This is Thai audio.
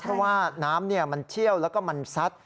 เพราะว่าน้ำมันเชี่ยวแล้วก็มันซัด